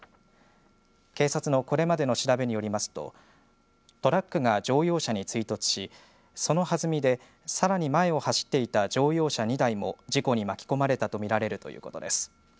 警察のこれまでの調べによりますとトラックが乗用車に追突しその弾みでさらに前を走っていた乗用車２台も事故に巻き込まれたと見られるということです。